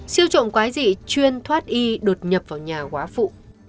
siêu trộm quái dị chuyên thoát y đột nhập vào nhà quá phụ